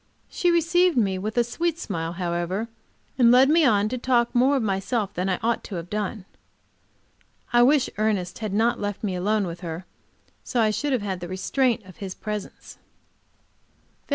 She received me with a sweet smile, however, and led me on to talk more of myself than I ought to have done. I wish Ernest had not left me alone with her, so that I should have had the restraint of his presence. FEB.